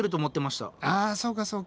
あそうかそうか。